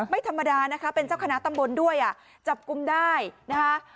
ไม่ธรรมดานะคะเป็นเจ้าคณะตำบลด้วยอ่ะจับกลุ่มได้นะคะ